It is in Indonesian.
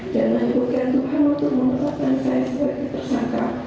dan mengikuti tuhan untuk memperbaikkan saya seperti tersangka